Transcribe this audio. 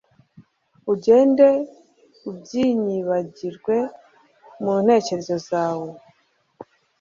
ugende ubyinyibagirwe mu ntekerezo zawe